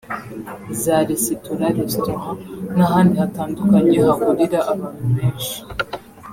za resitora(restaurant) n’ahandi hatandukanye hahurira abantu benshi